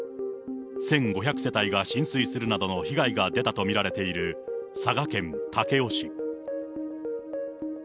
１５００世帯が浸水するなどの被害が出たと見られている佐賀県武雄市。